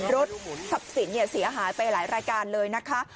รถทรัพย์สินเสียหายไปหลายรายการเลยนะคะ